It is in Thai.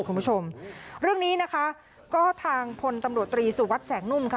คุณผู้ชมเรื่องนี้ก็ทางพลตำรวจตรีสู่วัดแสงนุ่ม